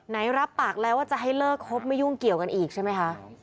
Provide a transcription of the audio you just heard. รับปากแล้วว่าจะให้เลิกคบไม่ยุ่งเกี่ยวกันอีกใช่ไหมคะ